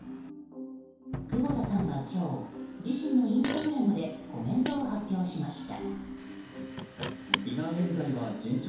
窪田さんは今日自身のインスタグラムでコメントを発表しました。